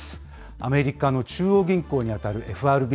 アメリカの中央銀行に当たるＦＲＢ。